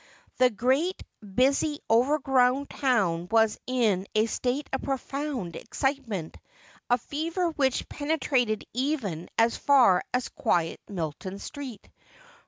The great, busy, overgrown town was in a state of profound excitement, a fever which penetrated even as far as quiet Milton Street.